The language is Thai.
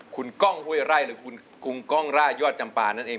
คุณก้องห้วยไร่หรือคุณกุ้งกล้องร่ายอดจำปานั่นเอง